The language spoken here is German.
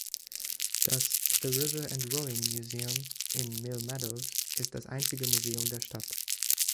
Das The River and Rowing Museum, in Mill Meadows, ist das einzige Museum der Stadt.